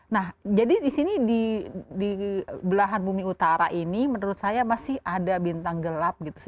nah jadi di sini di belahan bumi utara ini menurut saya masih ada bintang gelap gitu